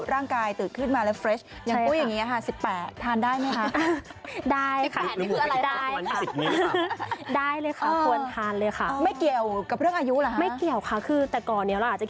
ร่างกายตื่นขึ้นมาแล้วเฟรช